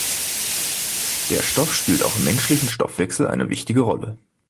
Der Stoff spielt auch im menschlichen Stoffwechsel eine wichtige Rolle.